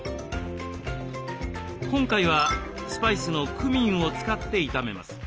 今回はスパイスのクミンを使って炒めます。